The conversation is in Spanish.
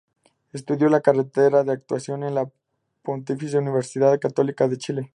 Estudió la carrera de actuación en la Pontificia Universidad Católica de Chile.